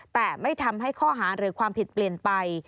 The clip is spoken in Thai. แต่ไม่ทำให้ข้อหาหรือความผิดเปลี่ยนไป